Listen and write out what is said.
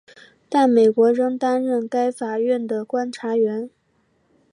但美国仍担任该法院的观察员。